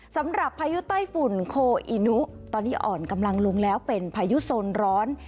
พายุไต้ฝุ่นโคอีนุตอนนี้อ่อนกำลังลงแล้วเป็นพายุโซนร้อน